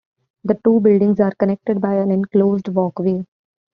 The two buildings are connected by an enclosed walkway.